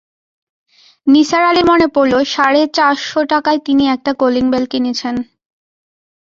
নিসার আলির মনে পড়ল সাড়ে চার শ টাকায় তিনি একটা কলিং বেল কিনেছেন।